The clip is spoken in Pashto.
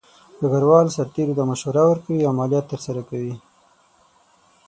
ډګروال د سرتیرو ته مشوره ورکوي او عملیات ترسره کوي.